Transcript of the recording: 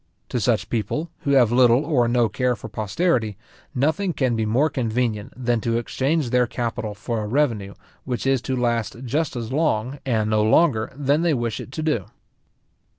To such people, who have little or no care for posterity, nothing can be more convenient than to exchange their capital for a revenue, which is to last just as long, and no longer, than they wish it to do.